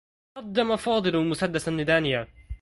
قدّم فاضل مسدّسا لدانيا.